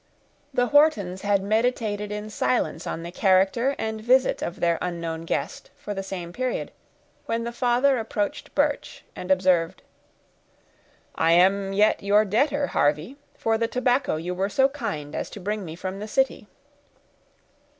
The Whartons had meditated in silence on the character and visit of their unknown guest for the same period, when the father approached Birch and observed, "I am yet your debtor, Harvey, for the tobacco you were so kind as to bring me from the city."